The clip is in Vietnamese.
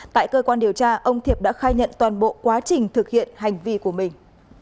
tại cơ quan điều tra ông thiệp đã khai nhận toàn bộ quá trình thực hiện hành vi của mình